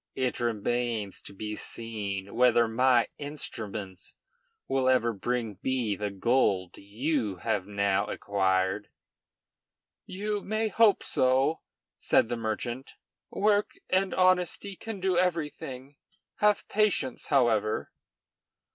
It remains to be seen whether my instruments will ever bring me the gold you have now acquired." "You may hope so," said the merchant. "Work and honesty can do everything; have patience, however."